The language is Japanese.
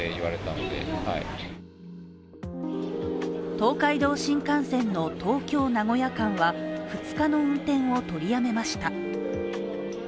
東海道新幹線の東京−名古屋間は２日の運転を取りやめました。